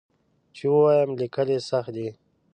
چې ووایم لیکل یې سخت دي.